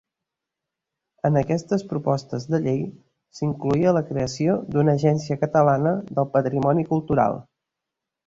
En aquestes propostes de llei s'incloïa la creació d'una Agència Catalana del Patrimoni Cultural.